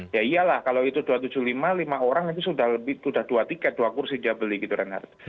ya iyalah kalau itu dua ratus tujuh puluh lima lima orang itu sudah dua tiket dua kursi dia beli gitu renhardt